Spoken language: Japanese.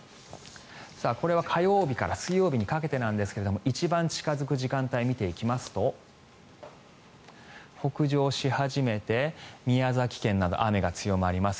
これは火曜日から水曜日にかけてですが一番近付く時間帯を見ていきますと、北上し始めて宮崎県など雨が強まります。